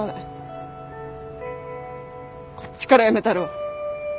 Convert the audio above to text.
こっちから辞めたるわ。